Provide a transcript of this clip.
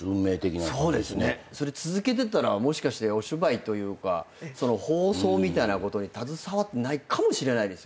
それ続けてたらもしかしてお芝居というか放送みたいなことに携わってないかもしれないですね。